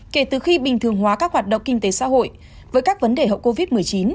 kể từ khi bình thường hóa các hoạt động kinh tế xã hội với các vấn đề hậu covid một mươi chín